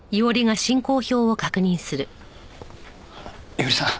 伊織さん。